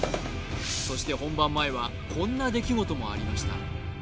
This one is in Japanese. そして本番前はこんな出来事もありました